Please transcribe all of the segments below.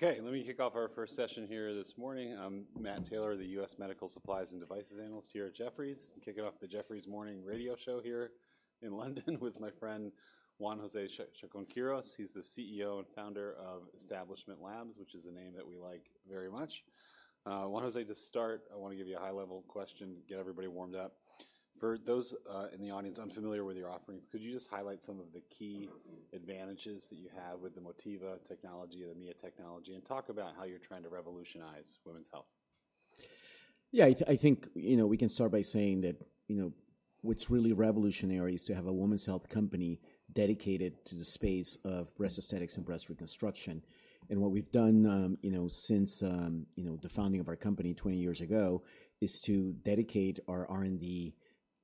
Okay, let me kick off our first session here this morning. I'm Matt Taylor, the U.S. Medical Supplies and Devices Analyst here at Jefferies. Kick it off the Jefferies Morning Radio show here in London with my friend Juan José Chacón-Quirós. He's the CEO and Founder of Establishment Labs, which is a name that we like very much. Juan José, to start, I want to give you a high-level question, get everybody warmed up. For those in the audience unfamiliar with your offerings, could you just highlight some of the key advantages that you have with the Motiva technology, the MIA technology, and talk about how you're trying to revolutionize women's health? Yeah, I think, you know, we can start by saying that, you know, what's really revolutionary is to have a women's health company dedicated to the space of breast aesthetics and breast reconstruction. And what we've done, you know, since, you know, the founding of our company 20 years ago is to dedicate our R&D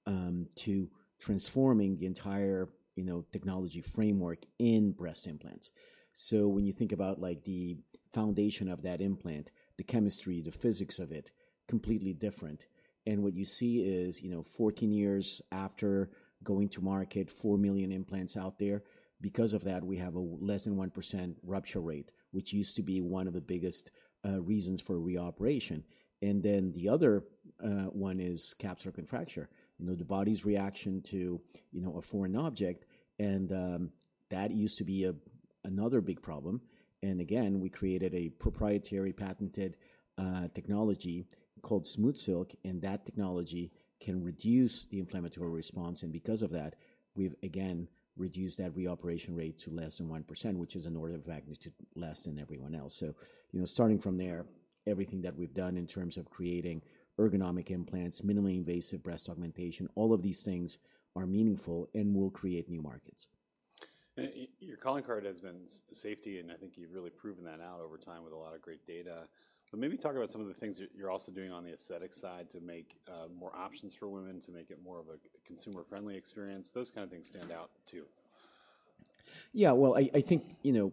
to transforming the entire, you know, technology framework in breast implants. So when you think about, like, the foundation of that implant, the chemistry, the physics of it, completely different. And what you see is, you know, 14 years after going to market, four million implants out there. Because of that, we have a less than 1% rupture rate, which used to be one of the biggest reasons for reoperation. And then the other one is Capsular Contracture, you know, the body's reaction to, you know, a foreign object. That used to be another big problem. Again, we created a proprietary patented technology called SmoothSilk, and that technology can reduce the inflammatory response. Because of that, we've again reduced that reoperation rate to less than 1%, which is an order of magnitude less than everyone else. So, you know, starting from there, everything that we've done in terms of creating ergonomic implants, minimally invasive breast augmentation, all of these things are meaningful and will create new markets. Your calling card has been safety, and I think you've really proven that out over time with a lot of great data. But maybe talk about some of the things that you're also doing on the aesthetic side to make more options for women, to make it more of a consumer-friendly experience. Those kinds of things stand out too. Yeah, well, I think, you know,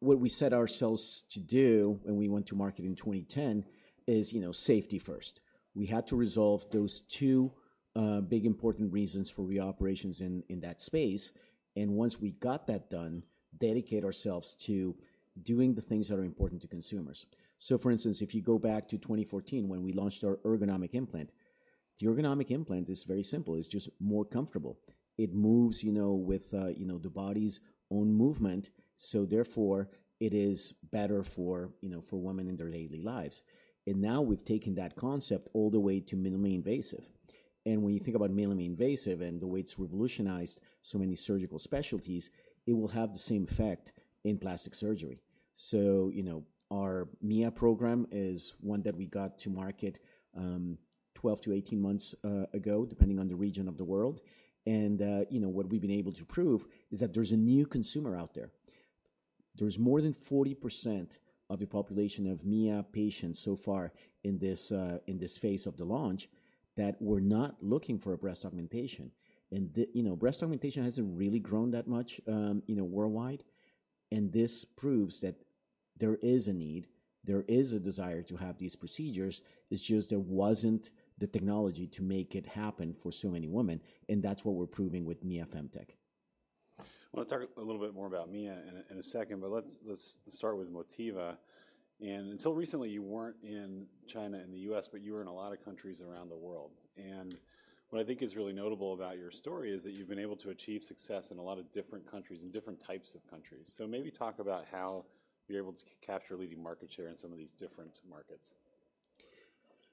what we set ourselves to do when we went to market in 2010 is, you know, safety first. We had to resolve those two big, important reasons for reoperations in that space. And once we got that done, dedicate ourselves to doing the things that are important to consumers. So, for instance, if you go back to 2014, when we launched our ergonomic implant, the ergonomic implant is very simple. It's just more comfortable. It moves, you know, with, you know, the body's own movement. So therefore, it is better for, you know, for women in their daily lives. And now we've taken that concept all the way to minimally invasive. And when you think about minimally invasive and the way it's revolutionized so many surgical specialties, it will have the same effect in plastic surgery. You know, our MIA program is one that we got to market 12-18 months ago, depending on the region of the world. You know, what we've been able to prove is that there's a new consumer out there. There's more than 40% of the population of MIA patients so far in this phase of the launch that were not looking for a breast augmentation. You know, breast augmentation hasn't really grown that much, you know, worldwide. This proves that there is a need, there is a desire to have these procedures. It's just there wasn't the technology to make it happen for so many women. That's what we're proving with MIA Femtech. Want to talk a little bit more about MIA in a second, but let's start with Motiva. And until recently, you weren't in China and the U.S., but you were in a lot of countries around the world. And what I think is really notable about your story is that you've been able to achieve success in a lot of different countries and different types of countries. So maybe talk about how you're able to capture leading market share in some of these different markets.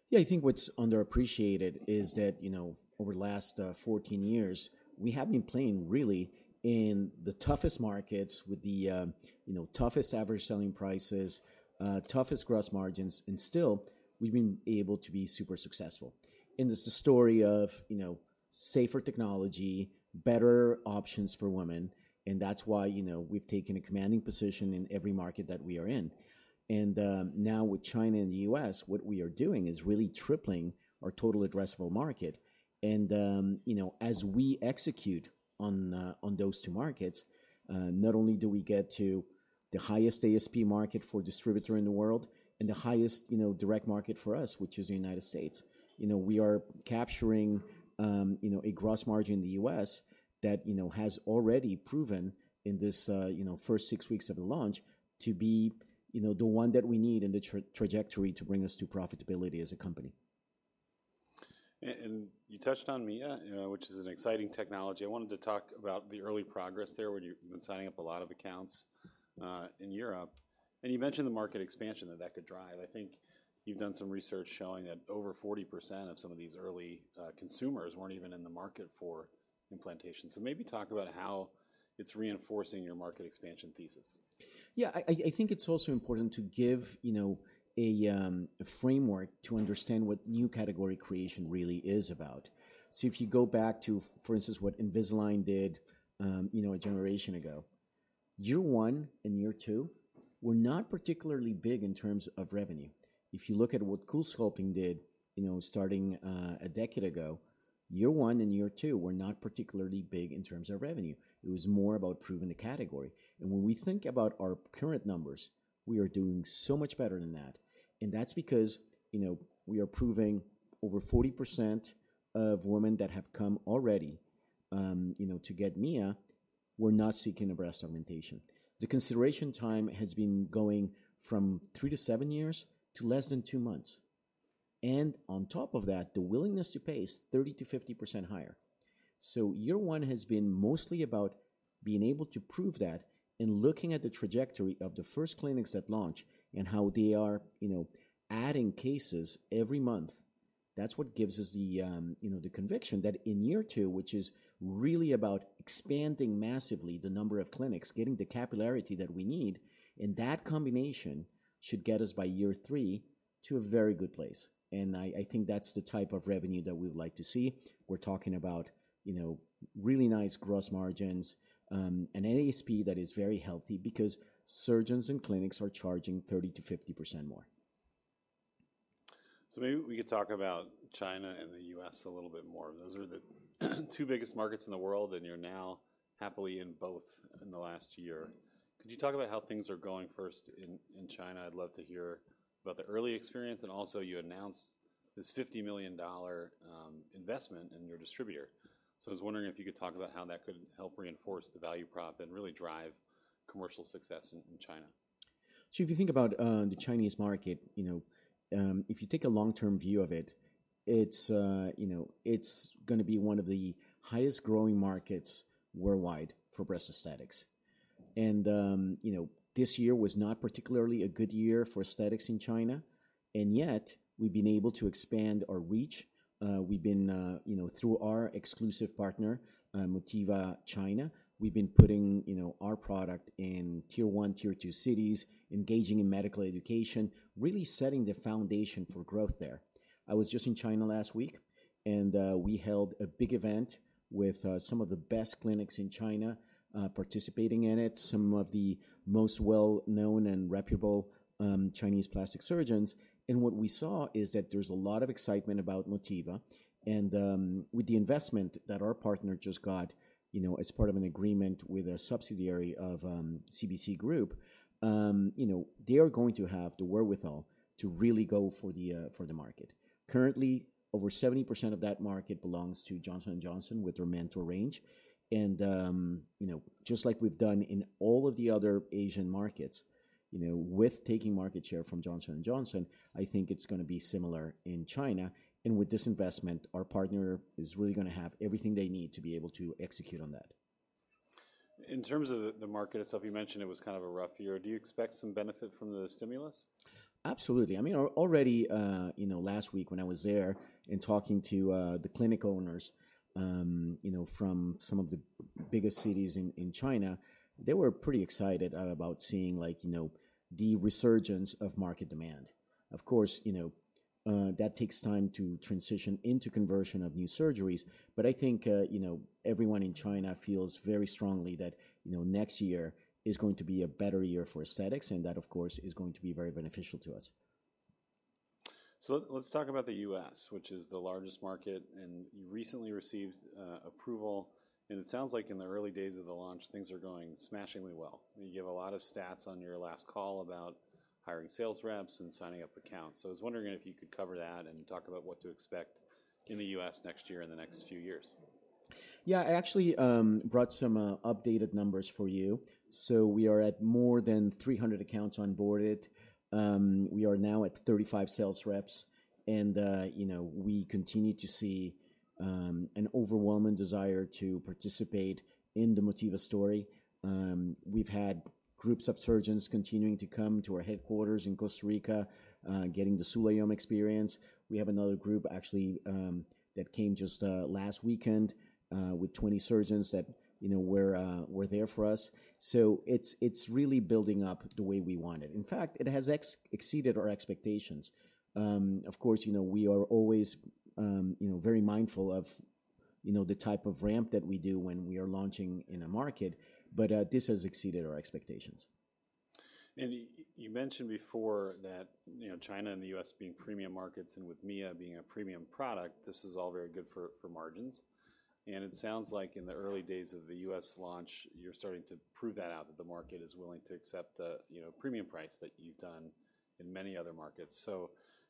Yeah, I think what's underappreciated is that, you know, over the last 14 years, we have been playing really in the toughest markets with the, you know, toughest average selling prices, toughest gross margins, and still we've been able to be super successful. And it's the story of, you know, safer technology, better options for women. And that's why, you know, we've taken a commanding position in every market that we are in. And now with China and the U.S., what we are doing is really tripling our total addressable market. And, you know, as we execute on those two markets, not only do we get to the highest ASP market for distributor in the world and the highest, you know, direct market for us, which is the United States. You know, we are capturing, you know, a gross margin in the U.S. that, you know, has already proven in this, you know, first six weeks of the launch to be, you know, the one that we need in the trajectory to bring us to profitability as a company. You touched on MIA, which is an exciting technology. I wanted to talk about the early progress there where you've been signing up a lot of accounts in Europe. You mentioned the market expansion that that could drive. I think you've done some research showing that over 40% of some of these early consumers weren't even in the market for implantation. Maybe talk about how it's reinforcing your market expansion thesis. Yeah, I think it's also important to give, you know, a framework to understand what new category creation really is about, so if you go back to, for instance, what Invisalign did, you know, a generation ago, year one and year two were not particularly big in terms of revenue. If you look at what CoolSculpting did, you know, starting a decade ago, year one and year two were not particularly big in terms of revenue. It was more about proving the category, and when we think about our current numbers, we are doing so much better than that, and that's because, you know, we are proving over 40% of women that have come already, you know, to get MIA were not seeking a breast augmentation. The consideration time has been going from three to seven years to less than two months. On top of that, the willingness to pay is 30%-50% higher. Year one has been mostly about being able to prove that and looking at the trajectory of the first clinics that launch and how they are, you know, adding cases every month. That's what gives us the, you know, the conviction that in year two, which is really about expanding massively the number of clinics, getting the capillarity that we need, and that combination should get us by year three to a very good place. I think that's the type of revenue that we would like to see. We're talking about, you know, really nice gross margins and an ASP that is very healthy because surgeons and clinics are charging 30%-50% more. So maybe we could talk about China and the U.S. a little bit more. Those are the two biggest markets in the world, and you're now happily in both in the last year. Could you talk about how things are going first in China? I'd love to hear about the early experience. And also, you announced this $50 million investment in your distributor. So I was wondering if you could talk about how that could help reinforce the value prop and really drive commercial success in China. So if you think about the Chinese market, you know, if you take a long-term view of it, it's, you know, it's going to be one of the highest growing markets worldwide for breast aesthetics. And, you know, this year was not particularly a good year for aesthetics in China. And yet we've been able to expand our reach. We've been, you know, through our exclusive partner, Motiva China, we've been putting, you know, our product in tier one, tier two cities, engaging in medical education, really setting the foundation for growth there. I was just in China last week, and we held a big event with some of the best clinics in China participating in it, some of the most well-known and reputable Chinese plastic surgeons. And what we saw is that there's a lot of excitement about Motiva. With the investment that our partner just got, you know, as part of an agreement with a subsidiary of CBC Group, you know, they are going to have the wherewithal to really go for the market. Currently, over 70% of that market belongs to Johnson & Johnson with their Mentor range. You know, just like we've done in all of the other Asian markets, you know, with taking market share from Johnson & Johnson, I think it's going to be similar in China. With this investment, our partner is really going to have everything they need to be able to execute on that. In terms of the market itself, you mentioned it was kind of a rough year. Do you expect some benefit from the stimulus? Absolutely. I mean, already, you know, last week when I was there and talking to the clinic owners, you know, from some of the biggest cities in China, they were pretty excited about seeing, like, you know, the resurgence of market demand. Of course, you know, that takes time to transition into conversion of new surgeries. But I think, you know, everyone in China feels very strongly that, you know, next year is going to be a better year for aesthetics. And that, of course, is going to be very beneficial to us. So let's talk about the U.S., which is the largest market. And you recently received approval. And it sounds like in the early days of the launch, things are going smashingly well. You gave a lot of stats on your last call about hiring sales reps and signing up accounts. So I was wondering if you could cover that and talk about what to expect in the U.S. next year and the next few years. Yeah, I actually brought some updated numbers for you. So we are at more than 300 accounts onboarded. We are now at 35 sales reps. And, you know, we continue to see an overwhelming desire to participate in the Motiva story. We've had groups of surgeons continuing to come to our headquarters in Costa Rica, getting the Sulàyòm experience. We have another group actually that came just last weekend with 20 surgeons that, you know, were there for us. So it's really building up the way we wanted. In fact, it has exceeded our expectations. Of course, you know, we are always, you know, very mindful of, you know, the type of ramp that we do when we are launching in a market. But this has exceeded our expectations. You mentioned before that, you know, China and the U.S. being premium markets and with MIA being a premium product, this is all very good for margins. It sounds like in the early days of the U.S. launch, you are starting to prove that out, that the market is willing to accept a, you know, premium price that you have done in many other markets.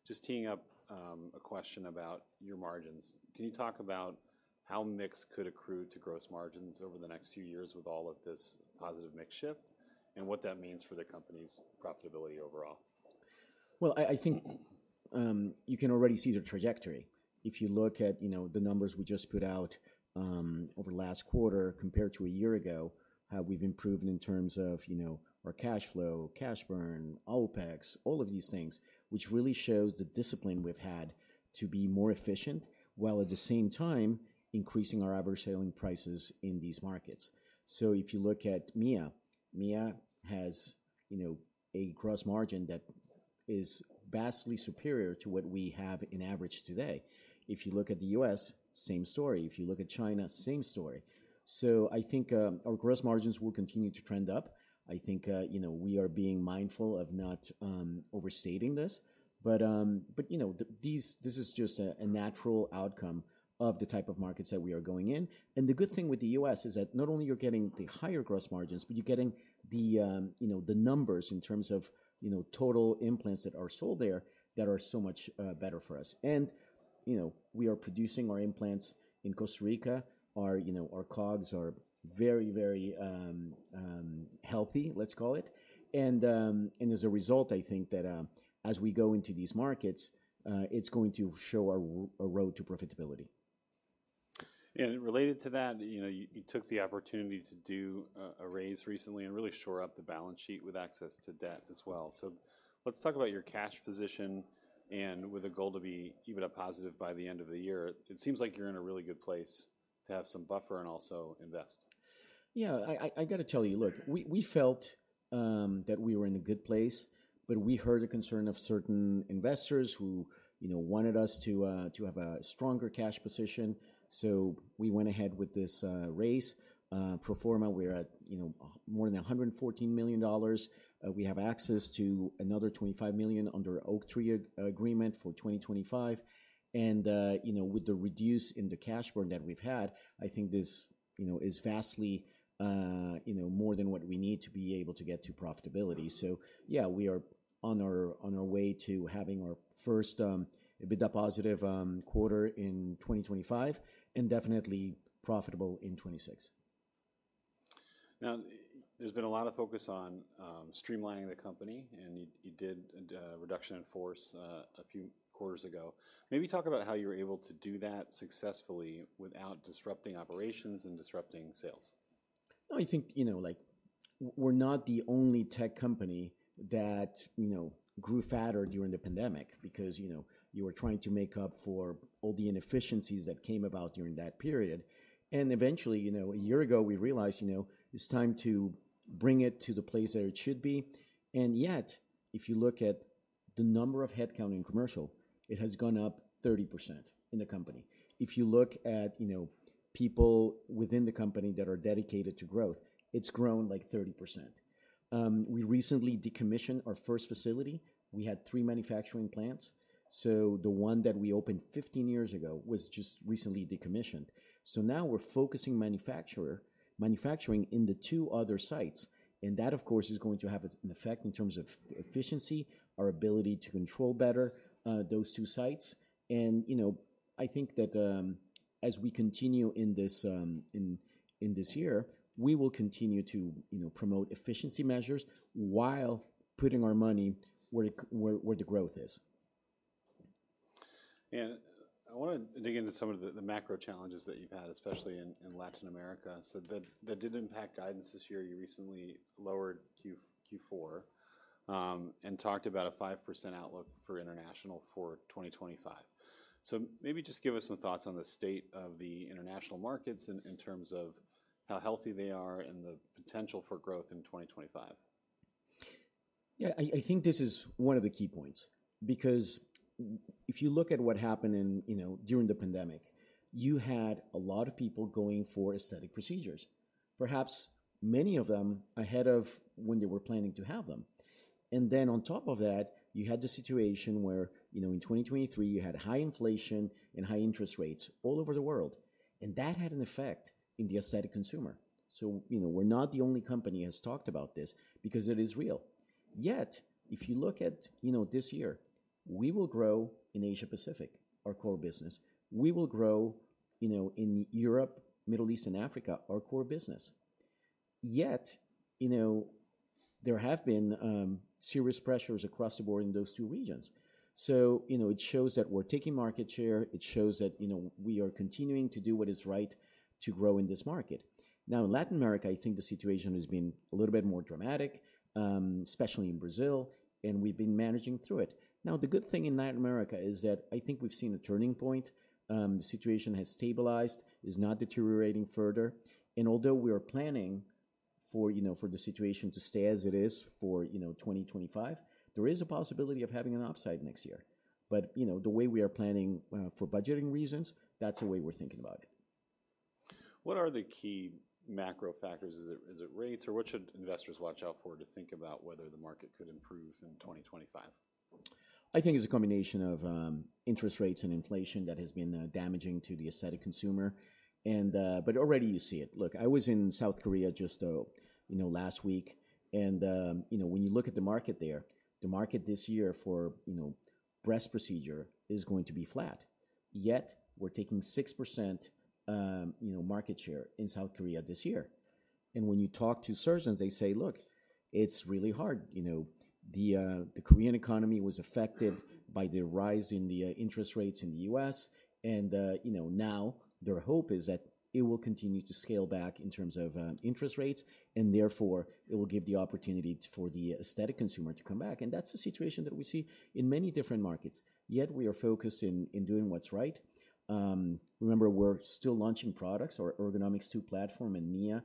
Just teeing up a question about your margins, can you talk about how mix could accrue to gross margins over the next few years with all of this positive mix shift and what that means for the company's profitability overall? I think you can already see the trajectory. If you look at, you know, the numbers we just put out over last quarter compared to a year ago, how we've improved in terms of, you know, our cash flow, cash burn, OpEx, all of these things, which really shows the discipline we've had to be more efficient while at the same time increasing our average selling prices in these markets. So if you look at MIA, MIA has, you know, a gross margin that is vastly superior to what we have on average today. If you look at the U.S., same story. If you look at China, same story. So I think our gross margins will continue to trend up. I think, you know, we are being mindful of not overstating this. But, you know, this is just a natural outcome of the type of markets that we are going in. And the good thing with the U.S. is that not only are you getting the higher gross margins, but you're getting the, you know, the numbers in terms of, you know, total implants that are sold there that are so much better for us. And, you know, we are producing our implants in Costa Rica. Our, you know, our COGS are very, very healthy, let's call it. And as a result, I think that as we go into these markets, it's going to show our road to profitability. Related to that, you know, you took the opportunity to do a raise recently and really shore up the balance sheet with access to debt as well. Let's talk about your cash position and with a goal to be EBITDA positive by the end of the year. It seems like you're in a really good place to have some buffer and also invest. Yeah, I got to tell you, look, we felt that we were in a good place, but we heard a concern of certain investors who, you know, wanted us to have a stronger cash position. So we went ahead with this raise. Pro forma, we're at, you know, more than $114 million. We have access to another $25 million under Oaktree Agreement for 2025. And, you know, with the reduction in the cash burn that we've had, I think this, you know, is vastly, you know, more than what we need to be able to get to profitability. So yeah, we are on our way to having our first bit of positive quarter in 2025 and definitely profitable in 2026. Now, there's been a lot of focus on streamlining the company, and you did a reduction in force a few quarters ago. Maybe talk about how you were able to do that successfully without disrupting operations and disrupting sales. I think, you know, like we're not the only tech company that, you know, grew fatter during the pandemic because, you know, you were trying to make up for all the inefficiencies that came about during that period, and eventually, you know, a year ago, we realized, you know, it's time to bring it to the place that it should be, and yet, if you look at the number of headcount in commercial, it has gone up 30% in the company. If you look at, you know, people within the company that are dedicated to growth, it's grown like 30%. We recently decommissioned our first facility. We had three manufacturing plants, so the one that we opened 15 years ago was just recently decommissioned, so now we're focusing manufacturing in the two other sites. That, of course, is going to have an effect in terms of efficiency, our ability to control better those two sites. You know, I think that as we continue in this year, we will continue to, you know, promote efficiency measures while putting our money where the growth is. I want to dig into some of the macro challenges that you've had, especially in Latin America. That did impact guidance this year. You recently lowered Q4 and talked about a 5% outlook for international for 2025. Maybe just give us some thoughts on the state of the international markets in terms of how healthy they are and the potential for growth in 2025. Yeah, I think this is one of the key points because if you look at what happened in, you know, during the pandemic, you had a lot of people going for aesthetic procedures, perhaps many of them ahead of when they were planning to have them. And then on top of that, you had the situation where, you know, in 2023, you had high inflation and high interest rates all over the world. And that had an effect in the aesthetic consumer. So, you know, we're not the only company that has talked about this because it is real. Yet if you look at, you know, this year, we will grow in Asia-Pacific, our core business. We will grow, you know, in Europe, Middle East, and Africa, our core business. Yet, you know, there have been serious pressures across the board in those two regions. So, you know, it shows that we're taking market share. It shows that, you know, we are continuing to do what is right to grow in this market. Now, in Latin America, I think the situation has been a little bit more dramatic, especially in Brazil. And we've been managing through it. Now, the good thing in Latin America is that I think we've seen a turning point. The situation has stabilized, is not deteriorating further. And although we are planning for, you know, for the situation to stay as it is for, you know, 2025, there is a possibility of having an upside next year. But, you know, the way we are planning for budgeting reasons, that's the way we're thinking about it. What are the key macro factors? Is it rates or what should investors watch out for to think about whether the market could improve in 2025? I think it's a combination of interest rates and inflation that has been damaging to the aesthetic consumer. But already you see it. Look, I was in South Korea just, you know, last week. You know, when you look at the market there, the market this year for, you know, breast procedure is going to be flat. Yet we're taking 6%, you know, market share in South Korea this year, and when you talk to surgeons, they say, look, it's really hard. You know, the Korean economy was affected by the rise in the interest rates in the U.S. You know, now their hope is that it will continue to scale back in terms of interest rates, and therefore, it will give the opportunity for the aesthetic consumer to come back, and that's the situation that we see in many different markets. Yet we are focused in doing what's right. Remember, we're still launching products. Our Ergonomix2 platform and MIA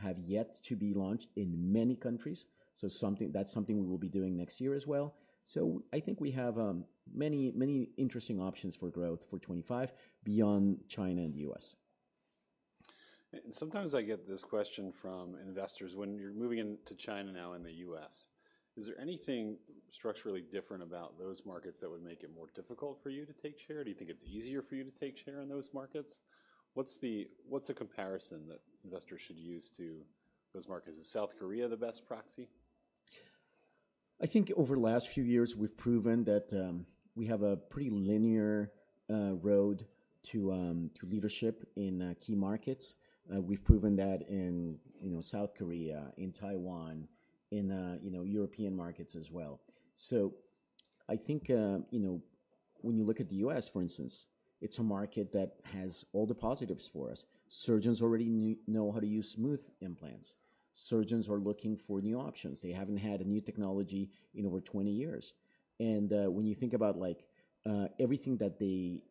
have yet to be launched in many countries. So that's something we will be doing next year as well. So I think we have many, many interesting options for growth for 2025 beyond China and the U.S. Sometimes I get this question from investors. When you're moving into China now and the U.S., is there anything structurally different about those markets that would make it more difficult for you to take share? Do you think it's easier for you to take share in those markets? What's the comparison that investors should use to those markets? Is South Korea the best proxy? I think over the last few years, we've proven that we have a pretty linear road to leadership in key markets. We've proven that in, you know, South Korea, in Taiwan, in, you know, European markets as well. So I think, you know, when you look at the U.S., for instance, it's a market that has all the positives for us. Surgeons already know how to use smooth implants. Surgeons are looking for new options. They haven't had a new technology in over 20 years. And when you think about like everything that the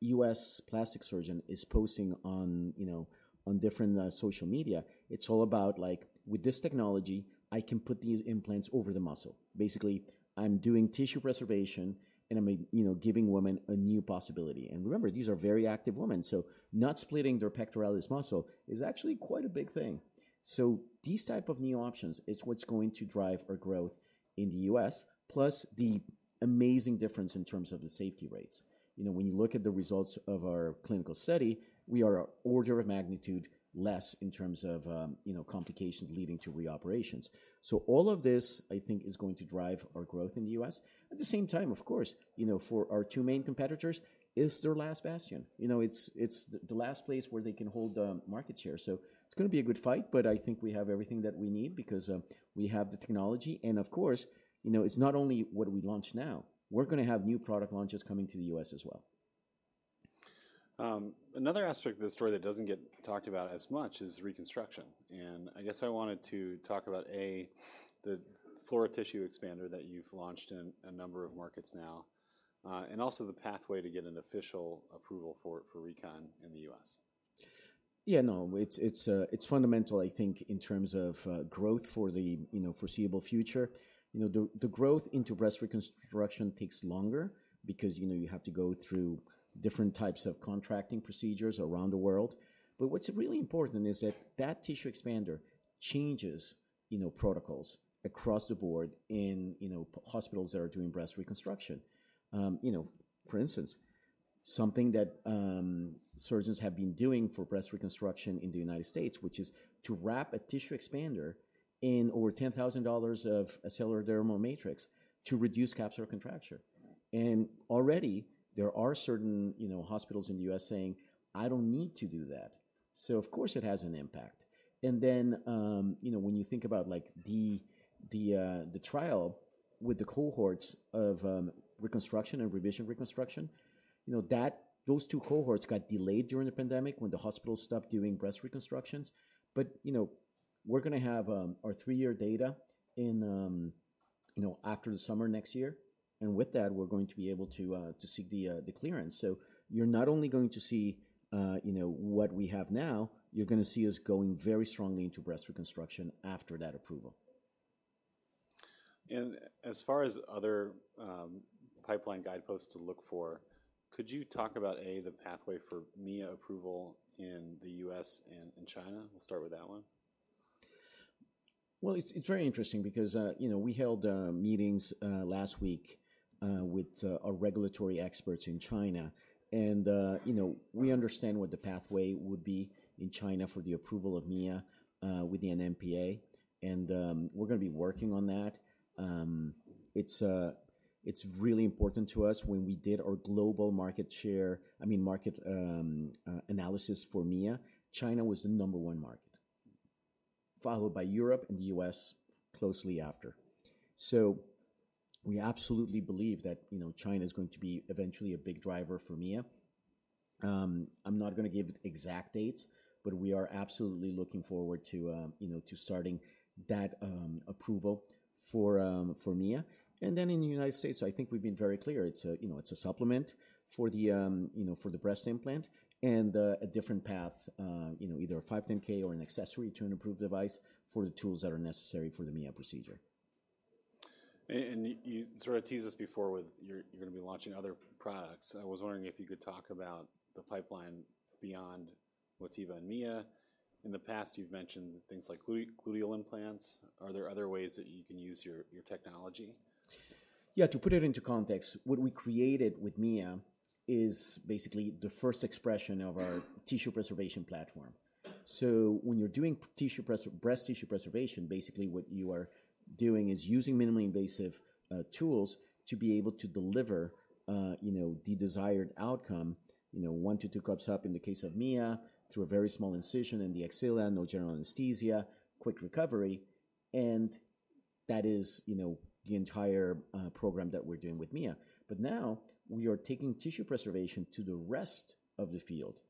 U.S. plastic surgeon is posting on, you know, on different social media, it's all about like with this technology, I can put these implants over the muscle. Basically, I'm doing tissue preservation and I'm, you know, giving women a new possibility. And remember, these are very active women. So not splitting their pectoralis muscle is actually quite a big thing. So these type of new options is what's going to drive our growth in the U.S., plus the amazing difference in terms of the safety rates. You know, when you look at the results of our clinical study, we are an order of magnitude less in terms of, you know, complications leading to re-operations. So all of this, I think, is going to drive our growth in the U.S. At the same time, of course, you know, for our two main competitors, it's their last bastion. You know, it's the last place where they can hold market share. So it's going to be a good fight, but I think we have everything that we need because we have the technology. And of course, you know, it's not only what we launch now. We're going to have new product launches coming to the U.S. as well. Another aspect of the story that doesn't get talked about as much is reconstruction, and I guess I wanted to talk about, a, the Flora tissue expander that you've launched in a number of markets now, and also the pathway to get an official approval for recon in the U.S. Yeah, no, it's fundamental, I think, in terms of growth for the, you know, foreseeable future. You know, the growth into breast reconstruction takes longer because, you know, you have to go through different types of contracting procedures around the world. But what's really important is that that tissue expander changes, you know, protocols across the board in, you know, hospitals that are doing breast reconstruction. You know, for instance, something that surgeons have been doing for breast reconstruction in the United States, which is to wrap a tissue expander in over $10,000 of acellular dermal matrix to reduce capsular contracture. And already there are certain, you know, hospitals in the U.S. saying, I don't need to do that. So of course, it has an impact. And then, you know, when you think about like the trial with the cohorts of reconstruction and revision reconstruction, you know, those two cohorts got delayed during the pandemic when the hospitals stopped doing breast reconstructions. But, you know, we're going to have our three-year data in, you know, after the summer next year. And with that, we're going to be able to seek the clearance. So you're not only going to see, you know, what we have now, you're going to see us going very strongly into breast reconstruction after that approval. As far as other pipeline guideposts to look for, could you talk about A, the pathway for MIA approval in the U.S. and China? We'll start with that one. It's very interesting because, you know, we held meetings last week with our regulatory experts in China. You know, we understand what the pathway would be in China for the approval of MIA with the NMPA. We're going to be working on that. It's really important to us when we did our global market share, I mean, market analysis for MIA. China was the number one market, followed by Europe and the U.S. closely after. We absolutely believe that, you know, China is going to be eventually a big driver for MIA. I'm not going to give exact dates, but we are absolutely looking forward to, you know, to starting that approval for MIA. In the United States, I think we've been very clear. You know, it's a supplement for the breast implant and a different path, you know, either a 510(k) or an accessory to an approved device for the tools that are necessary for the MIA procedure. And you sort of teased this before with you're going to be launching other products. I was wondering if you could talk about the pipeline beyond Motiva and MIA. In the past, you've mentioned things like gluteal implants. Are there other ways that you can use your technology? Yeah, to put it into context, what we created with MIA is basically the first expression of our tissue preservation platform. So when you're doing breast tissue preservation, basically what you are doing is using minimally invasive tools to be able to deliver, you know, the desired outcome, you know, one to two cups up in the case of MIA through a very small incision in the axilla, no general anesthesia, quick recovery. And that is, you know, the entire program that we're doing with MIA. But now we are taking tissue preservation to the rest of the field.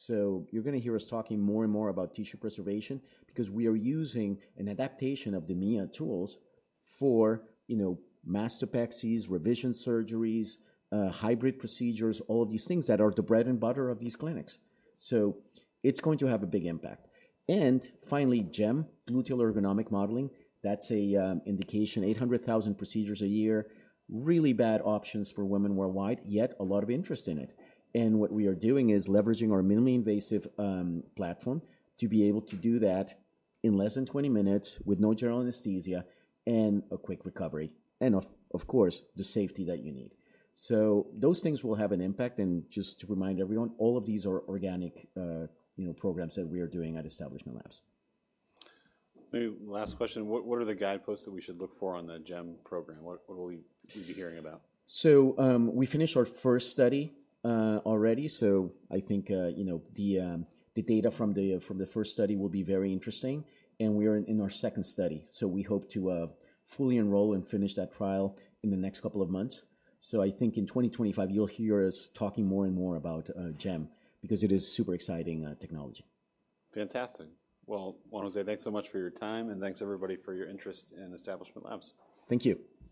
So you're going to hear us talking more and more about tissue preservation because we are using an adaptation of the MIA tools for, you know, mastopexies, revision surgeries, hybrid procedures, all of these things that are the bread and butter of these clinics. It's going to have a big impact. And finally, GEM, Gluteal Ergonomic Modeling. That's an indication, 800,000 procedures a year, really bad options for women worldwide, yet a lot of interest in it. And what we are doing is leveraging our minimally invasive platform to be able to do that in less than 20 minutes with no general anesthesia and a quick recovery. And of course, the safety that you need. Those things will have an impact. And just to remind everyone, all of these are organic, you know, programs that we are doing at Establishment Labs. Last question. What are the guideposts that we should look for on the GEM program? What will we be hearing about? So we finished our first study already. So I think, you know, the data from the first study will be very interesting. And we are in our second study. So we hope to fully enroll and finish that trial in the next couple of months. So I think in 2025, you'll hear us talking more and more about GEM because it is super exciting technology. Fantastic. Well, Juan José, thanks so much for your time. And thanks everybody for your interest in Establishment Labs. Thank you.